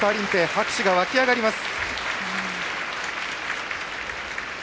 拍手が沸き上がります！